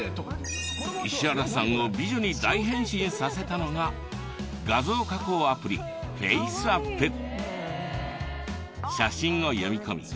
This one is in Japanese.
石原さんを美女に大変身させたのが画像加工アプリ写真を読み込み